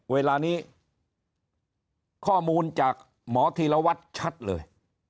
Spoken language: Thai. เวลานี้ข้อมูลจากหมอธีรวัตรชัดเลย